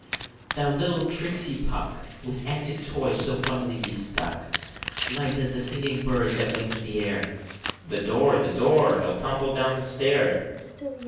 Thou little tricksy Puck! With antic toys so funnily bestuck, Light as the singing bird that wings the air (The door! the door! he'll tumble down the stair!)